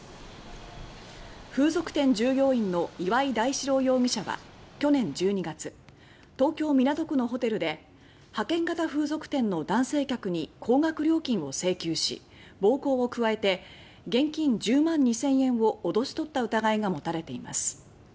風俗店従業員の岩井大史朗容疑者は去年１２月東京・港区のホテルで派遣型風俗店の男性客に高額料金を請求し暴行を加えて現金１０万２０００円を脅し取った疑いが持たれています。